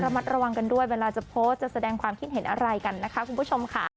มัดระวังกันด้วยเวลาจะโพสต์จะแสดงความคิดเห็นอะไรกันนะคะคุณผู้ชมค่ะ